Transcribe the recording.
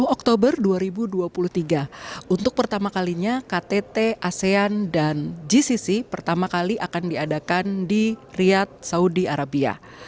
dua puluh oktober dua ribu dua puluh tiga untuk pertama kalinya ktt asean dan gcc pertama kali akan diadakan di riyad saudi arabia